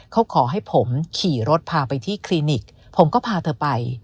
เขาขอให้ผมขี่รถพาไปที่คลินิกผมก็พาเธอไป